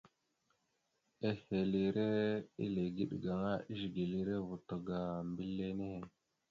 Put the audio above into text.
Ehelire eligeɗ gaŋa, ezigelire vuto ga mbile nehe.